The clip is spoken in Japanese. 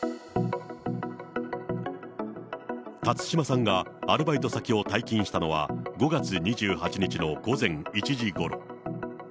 辰島さんがアルバイト先を退勤したのは、５月２８日の午前１時ごろ。